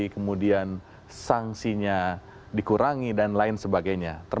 kemudian sanksinya dikurangi dan lain sebagainya